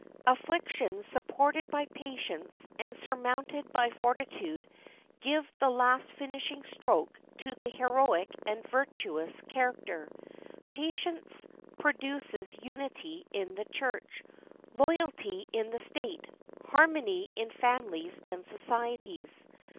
Afflictions supported by patience and surmounted by fortitude give the last finishing stroke to the heroic and virtuous character. Patience produces unity in the Church, loyalty in the state, harmony in families and societies.